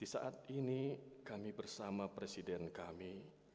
saat ini kami bersama presiden kami